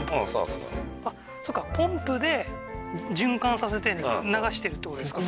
そうそっかポンプで循環させて流してるってことですか？